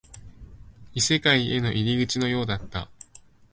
異世界への入り口のようだった